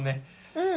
うん。